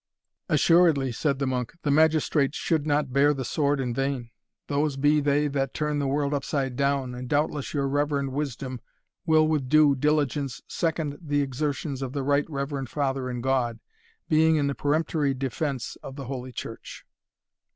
"Assuredly," said the monk, "the magistrate should not bear the sword in vain those be they that turn the world upside down and doubtless your reverend wisdom will with due diligence second the exertions of the Right Reverend Father in God, being in the peremptory defence of the Holy Church."